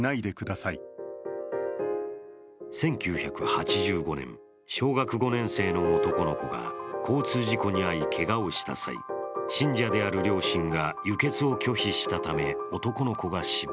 １９８５年、小学５年生の男の子が交通事故に遭いけがをした際、信者である両親が輸血を拒否したため、男の子が死亡。